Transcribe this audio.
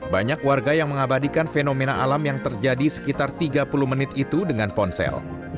banyak warga yang mengabadikan fenomena alam yang terjadi sekitar tiga puluh menit itu dengan ponsel